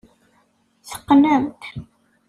Teqqnemt.